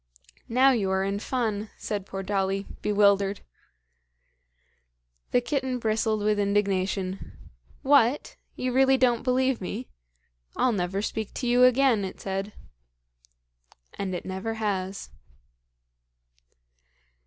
"Now you are in fun," said poor Dolly, bewildered. The kitten bristled with indignation. "What! you really don't believe me? I'll never speak to you again," it said. And it never has.